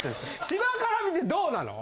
芝から見てどうなの？